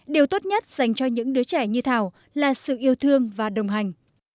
điều tốt nhất dành cho những đứa trẻ như thảo là sự yêu thương và đồng hành